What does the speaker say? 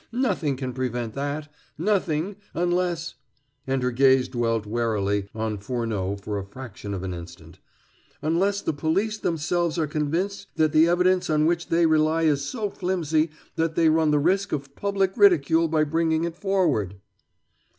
Nothing can prevent that nothing unless " and her gaze dwelt warily on Furneaux for a fraction of an instant "unless the police themselves are convinced that the evidence on which they rely is so flimsy that they run the risk of public ridicule by bringing it forward."